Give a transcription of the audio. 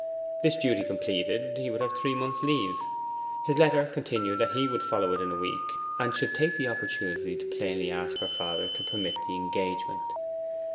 This duty completed he would have three months' leave. His letter continued that he should follow it in a week, and should take the opportunity to plainly ask her father to permit the engagement.